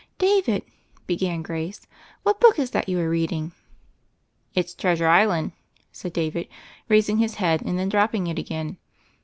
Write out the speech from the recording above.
"David," began Grace, "what book is that you are reading?" "It's Treasure Island," said David raising his head, and then dropping it again.